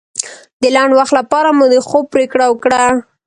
د لنډ وخت لپاره مو د خوب پرېکړه وکړه.